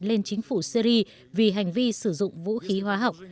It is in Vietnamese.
lên chính phủ syri vì hành vi sử dụng vũ khí hóa học